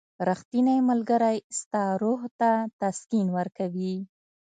• ریښتینی ملګری ستا روح ته تسکین ورکوي.